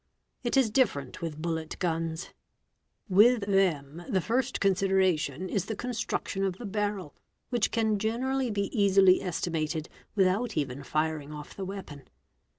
It is _ different with bullet guns: with them the first consideration is the con struction of the barrel, which can generally be easily estimated without " even firing off the weapon.